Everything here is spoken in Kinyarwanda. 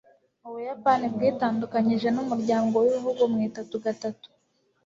ubuyapani bwitandukanije n'umuryango w'ibihugu mu itatu gatatu